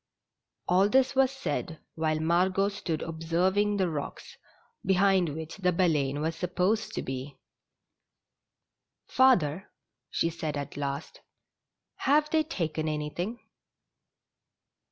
All this was said while Margot stood observing the rocks, behind which the Baleine was supposed to be. Father," she said at last, "have they taken any thing